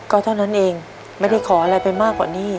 ก็เท่านั้นเองไม่ได้ขออะไรไปมากกว่านี้